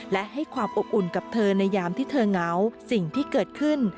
และให้ความอบอุ่นกับเธอในยามที่เธอเหงาสิ่งที่เกิดขึ้น